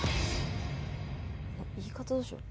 言い方どうしよう。